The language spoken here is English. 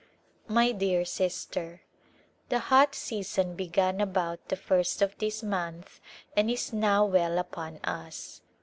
My dear Sister : The hot season began about the first of this month and is now well upon us.